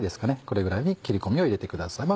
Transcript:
これぐらいに切り込みを入れてください。